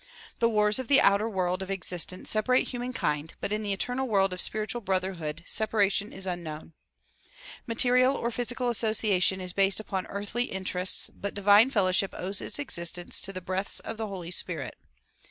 The wars of the outer world of existence separate humankind but in the eternal world of spiritual broth hood separation is unknown. Material or physical association is based upon earthly interests but divine fellowship owes its existence to the breaths of the Holy Spirit.